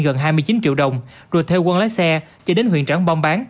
gần hai mươi chín triệu đồng rồi theo quân lái xe chạy đến huyện tráng bom bán